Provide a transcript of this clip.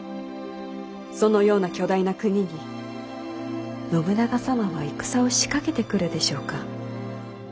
そのような巨大な国に信長様は戦を仕掛けてくるでしょうか？